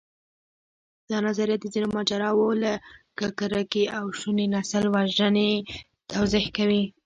دا نظریه د ځینو ماجراوو، لکه کرکې او شونې نسلوژنې توضیح کوي.